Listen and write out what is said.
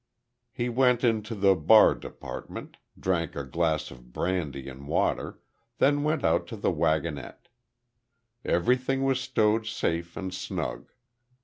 He went into the bar department, drank a glass of brandy and water, then went out to the waggonette. Everything was stowed safe and snug.